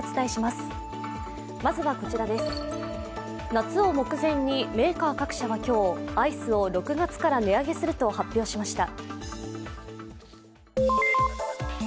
夏を目前にメーカー各社が今日、アイスを６月から値上げすると発表しました。